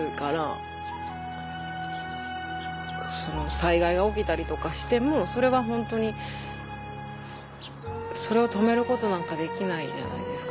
災害が起きたりとかしてもそれはホントにそれを止めることなんかできないじゃないですか。